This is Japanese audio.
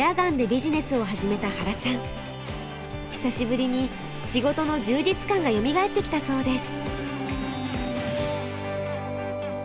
久しぶりに仕事の充実感がよみがえってきたそうです。